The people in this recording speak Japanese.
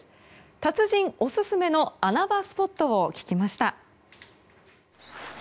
達人オススメの穴場スポットを聞きました。